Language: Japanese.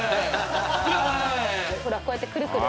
ほらこうやってくるくる。